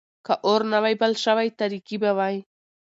که اور نه وای بل شوی، تاريکي به وای.